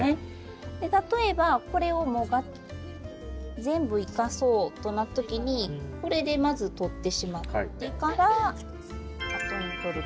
例えばこれを全部生かそうとなった時にこれでまずとってしまってからあとにとるとか。